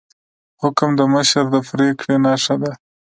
حکم د مشر د پریکړې نښه ده